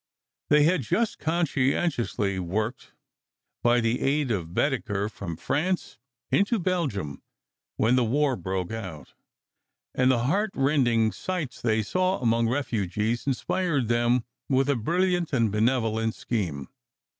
They had just conscientiously worked, by the aid of Baedeker, from France into Belgium when the war broke out; and the heart rending sights they saw among refugees inspired them with a brilliant and benevolent scheme.